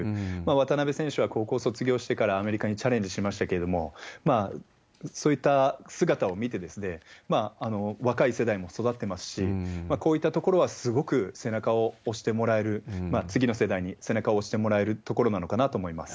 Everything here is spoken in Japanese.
渡邊選手は高校卒業してからアメリカにチャレンジしましたけれども、そういった姿を見て、若い世代も育ってますし、こういったところはすごく背中を押してもらえる、次の世代に背中を押してもらえるところなのかなと思います。